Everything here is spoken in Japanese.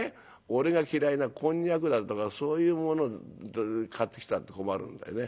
俺が嫌いなこんにゃくだとかそういうものを買ってきたって困るんだよね。